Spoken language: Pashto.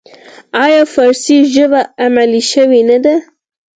آیا فارسي ژبه علمي شوې نه ده؟